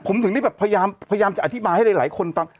ผมถึงได้แบบพยายามจะอธิบายให้หลายคนฟัง